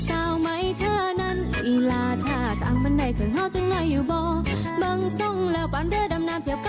เอาล่ะเป็นยังไงนะคะมันคะแนนยังไงเนี่ย